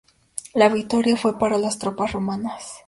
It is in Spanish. La victoria fue para las tropas romanas.